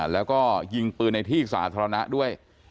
แล้วก็ยิงปืนในที่สาธารณะด้วย